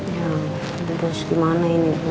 ya terus gimana ini